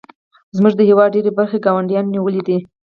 زموږ د هیواد ډیرې برخې ګاونډیانو نیولې دي